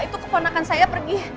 itu keponakan saya pergi